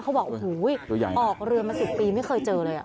เขาบอกโอ้โหออกเรือมา๑๐ปีไม่เคยเจอเลย